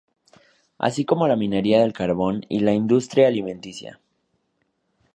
Así como la minería del carbón y la industria alimenticia.